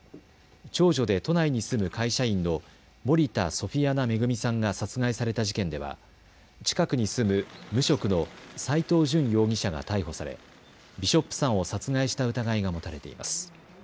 長女で都内に住む会社員の森田ソフィアナ恵さんが殺害された事件では近くに住む無職の斎藤淳容疑者が逮捕され、ビショップさんを殺害した疑いが持たれています。